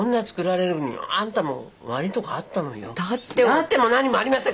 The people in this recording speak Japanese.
だっても何もありません